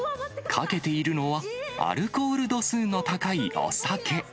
かけているのはアルコール度数の高いお酒。